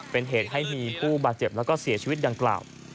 เป็นเหตุให้มีผู้บาดเจ็บแล้วก็เสียชีวิตดังกล่าว